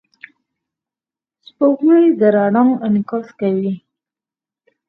سپوږمۍ د رڼا انعکاس کوي.